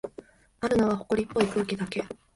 あるのは、ほこりっぽい空気だけ。